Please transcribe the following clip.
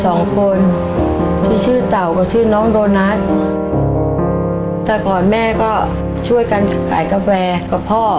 สองคนที่ชื่อเต่ากับชื่อน้องโดนัทแต่ก่อนแม่ก็ช่วยกันขายกาแฟกับพ่อ